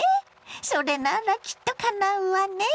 それならきっとかなうわね。